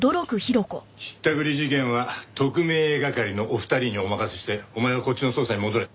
ひったくり事件は特命係のお二人にお任せしてお前はこっちの捜査に戻れ。